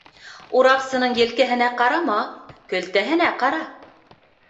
Ураҡсының елкәһенә ҡарама, көлтәһенә ҡара.